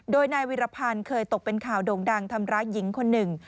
โดยนายวิรพันธ์เคยตกเป็นข่าวโด่งดังทำร้ายหญิงคนหนึ่ง